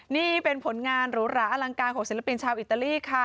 นี่เป็นผลงานหรูหราอลังการของศิลปินชาวอิตาลีค่ะ